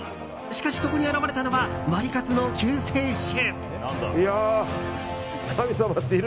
しかし、そこに現れたのはワリカツの救世主。